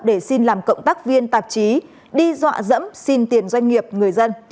để xin làm cộng tác viên tạp chí đi dọa dẫm xin tiền doanh nghiệp người dân